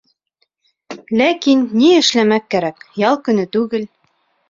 Ләкин ни эшләмәк кәрәк, ял көнө түгел.